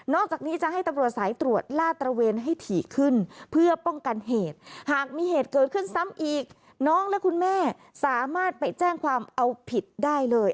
จากนี้จะให้ตำรวจสายตรวจลาดตระเวนให้ถี่ขึ้นเพื่อป้องกันเหตุหากมีเหตุเกิดขึ้นซ้ำอีกน้องและคุณแม่สามารถไปแจ้งความเอาผิดได้เลย